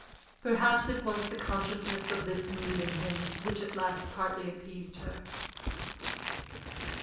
Perhaps it was the consciousness of this mood in him which at last partly appeased her.